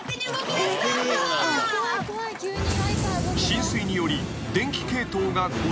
［浸水により電気系統が］